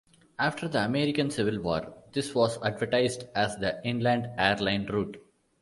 After the American Civil War, this was advertised as the Inland Air-Line Route.